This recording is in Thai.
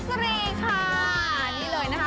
มัชเล่ค่ะนี่เลยนะคะ